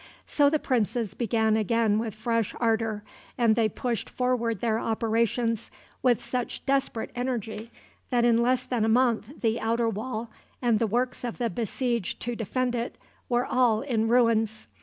So the princes began again with fresh ardor, and they pushed forward their operations with such desperate energy that in less than a month the outer wall, and the works of the besieged to defend it, were all in ruins.